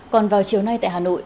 còn vào chiều nay tại hà nội